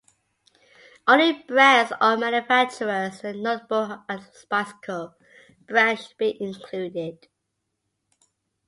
Only brands or manufacturers that are notable as a bicycle brand should be included.